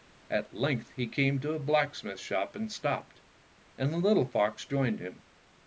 At length he came to a black smith's shop and stopped, and the little fox joined him.